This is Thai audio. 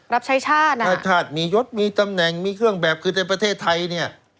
รับใช้ชาตินะถ้าชาติมียศมีตำแหน่งมีเครื่องแบบคือในประเทศไทยเนี่ย